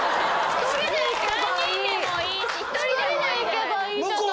１人で行けばいいじゃないですか。